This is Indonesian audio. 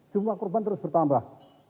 jumlah kurban terus bertambah